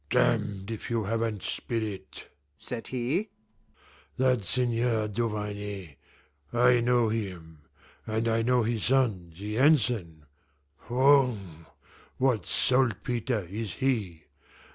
"Damned if you haven't spirit!" said he. "That Seigneur Duvarney, I know him; and I know his son the ensign whung, what saltpetre is he!